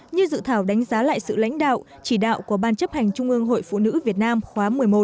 như dự thảo đánh giá lại sự lãnh đạo chỉ đạo của ban chấp hành trung ương hội phụ nữ việt nam khóa một mươi một